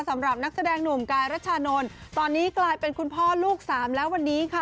สำหรับนักแสดงหนุ่มกายรัชานนท์ตอนนี้กลายเป็นคุณพ่อลูกสามแล้ววันนี้ค่ะ